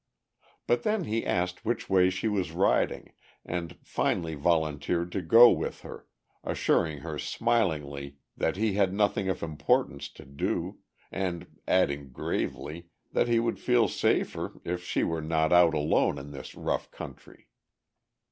But then he asked which way she was riding, and finally volunteered to go with her, assuring her smilingly that he had nothing of importance to do, and adding gravely, that he would feel safer if she were not out alone in this rough country.